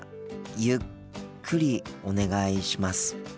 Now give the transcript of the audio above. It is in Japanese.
ゆっくりお願いします。